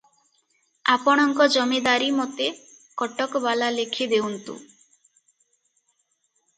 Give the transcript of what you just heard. ଆପଣଙ୍କ ଜମିଦାରୀ ମୋତେ କଟକବାଲା ଲେଖି ଦେଉନ୍ତୁ ।